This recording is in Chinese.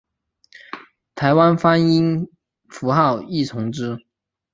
台湾方音符号亦从之。